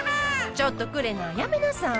ちょっとくれなやめなさい。